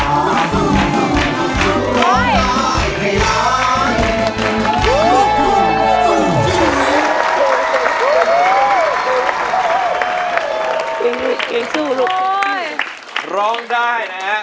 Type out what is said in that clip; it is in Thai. โอ้โหร้องได้นะ